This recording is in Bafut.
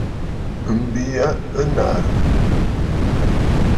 M̀bi ya ɨ nàʼàrə̀.